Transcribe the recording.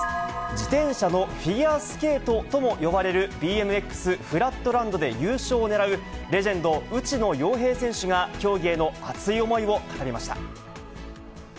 自転車のフィギュアスケートとも呼ばれるＢＭＸフラットランドで優勝をねらうレジェンド、内野洋平選手が競技への熱い思いを語りました。